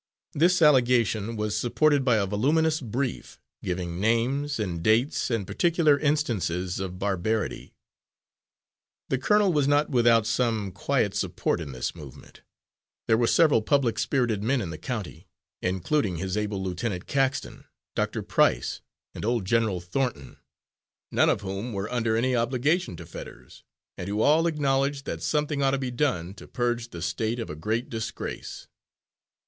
This allegation was supported by a voluminous brief, giving names and dates and particular instances of barbarity. The colonel was not without some quiet support in this movement; there were several public spirited men in the county, including his able lieutenant Caxton, Dr. Price and old General Thornton, none of whom were under any obligation to Fetters, and who all acknowledged that something ought to be done to purge the State of a great disgrace.